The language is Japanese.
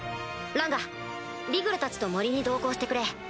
ランガリグルたちと森に同行してくれ。